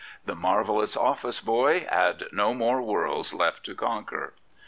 The marvellous ' office boy ' had no more worlds left to conquer.